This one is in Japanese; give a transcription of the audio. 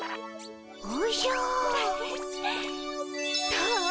どう？